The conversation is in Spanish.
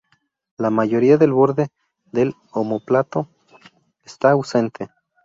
La mayoría del borde del omóplato está ausente.